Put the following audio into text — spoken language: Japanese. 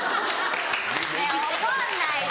ねぇ怒んないで！